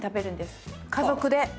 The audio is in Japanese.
家族で。